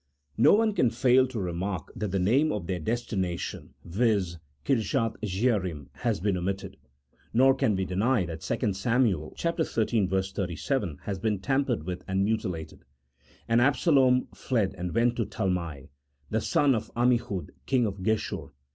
No one can fail to remark that the name of their destina tion, viz., Kirjath jearim^has been omitted: nor can we deny that 2 Sam. xiii. 37, has been tampered with and mutilated. " And Absalom fled, and went to Talmai, the son of Ammihud, king of Geshur.